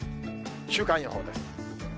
週間予報です。